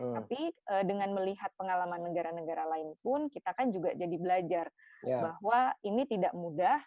tapi dengan melihat pengalaman negara negara lain pun kita kan juga jadi belajar bahwa ini tidak mudah